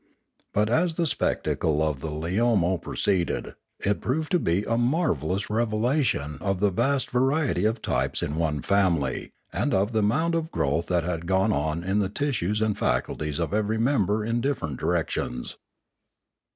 But, as the spectacle of the Leomo proceeded, it proved to be a marvellous revela tion of the vast variety of types in one family, and of the amount of growth that had gone on in the tissues and faculties of every member in different directions.